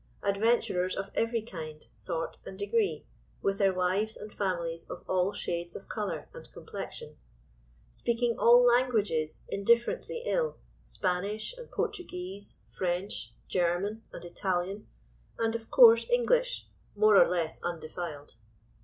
Adventurers of every kind, sort, and degree, with their wives and families of all shades of colour and complexion. Speaking all languages indifferently ill, Spanish and Portuguese, French, German and Italian, and, of course, English more or less undefiled.